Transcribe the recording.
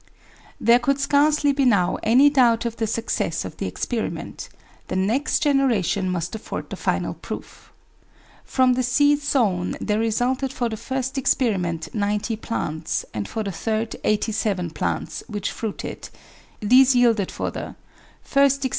There could scarcely be now any doubt of the success of the experiment; the next generation must afford the final proof. From the seed sown there resulted for the first experiment 90 plants, and for the third 87 plants which fruited: these yielded for the 1st Exp.